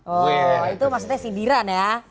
oh itu maksudnya sindiran ya